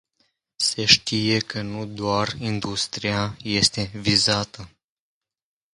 Se știe că nu doar industria este vizată.